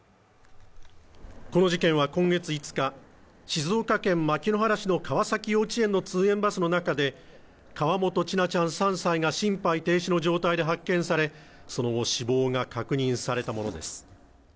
この事件は今月５日静岡県牧之原市の川崎幼稚園の通園バスの中で河本千奈ちゃん３歳が心肺停止の状態で発見されその後死亡が確認されたものです